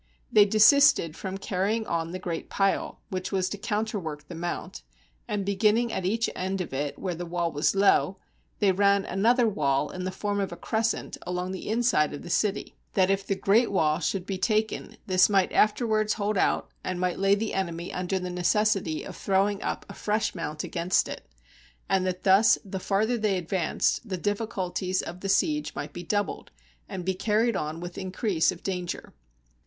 They desisted from carrying on the great pile which was to counterwork the mount, and beginning at each end of it where the wall was low, they ran another wall in the form of a crescent along the inside of the city, that if the 156 THE SIEGE OF PLAT.EA great wall should be taken this might afterwards hold out, and might lay the enemy under the necessity of throwing up a fresh mount against it, and that thus the farther they advanced, the difficulties of the siege might be doubled, and be carried on with increase of danger.